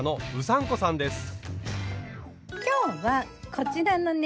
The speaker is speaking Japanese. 今日はこちらのね